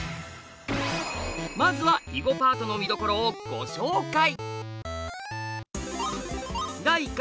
まずは囲碁パートのみどころをご紹介！